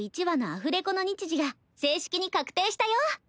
１話のアフレコの日時が正式に確定したよ。